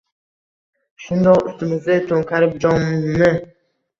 Shundoq ustimizga to‘nkarib jomni?!